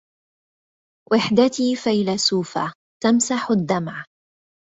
وحدتي فيلسوفة تمسح الدمع